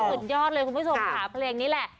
สุดยอดเลยคุณผู้ชมค่ะเพลงนี้แหละ